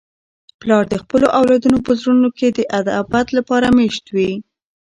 پلار د خپلو اولادونو په زړونو کي د ابد لپاره مېشت وي.